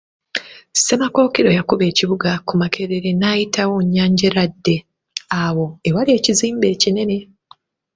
Ssemakookiro yakuba ekibuga ku Makeerere n'ayitawo Nnyanjeeradde, awo awali ekizimbe ekinene.